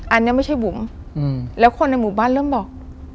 อันนี้ไม่ใช่บุ๋มแล้วคนในหมู่บ้านเริ่มบอก